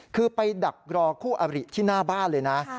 คือไปดักรอคู่อบริที่หน้าบ้านเลยนะ